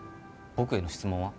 僕への質問は？